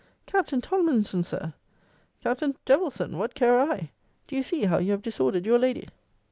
Captain Tomlinson, Sir! Captain Devilson, what care I? Do you see how you have disordered your lady?